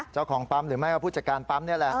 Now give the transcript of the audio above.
เจ้าของปั๊มหรือไม่ก็ผู้จัดการปั๊มนี่แหละ